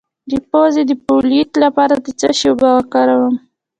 د پوزې د پولیت لپاره د څه شي اوبه وکاروم؟